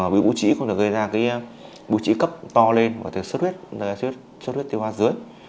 bị bụi trĩ cũng có thể gây ra bụi trĩ cấp to lên và xuất huyết tiêu hóa dưới